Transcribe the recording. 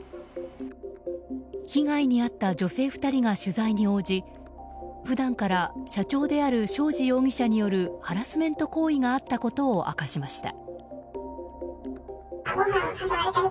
被害に遭った女性２人が取材に応じ普段から社長である正地容疑者によるハラスメント行為があったことを明かしました。